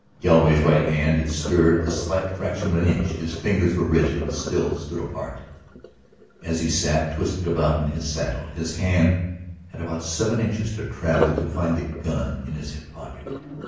Galloway's right hand had stirred the slight fraction of an inch, his fingers were rigid and still stood apart. As he sat, twisted about in his saddle, his hand had about seven inches to travel to find the gun in his hip pocket.